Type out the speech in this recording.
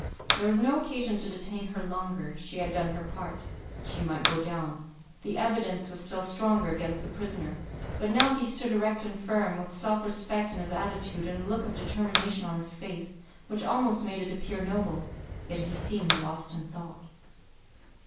There was no occasion to detain her longer; she had done her part. She might go down. The evidence was still stronger against the prisoner; but now he stood erect and firm, with self respect in his attitude, and a look of determination on his face, which almost made it appear noble. Yet he seemed lost in thought.